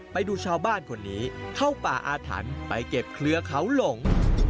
ไปดูชาวบ้านคนนี้เข้าป่าอาถรรพ์ไปเก็บเครือเขาหลง